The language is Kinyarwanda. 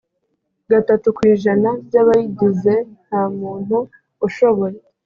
gatatu ku ijana by abayigize nta muntu ushoboye